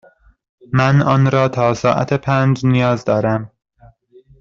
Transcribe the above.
من آن را تا ساعت پنج نیاز دارم.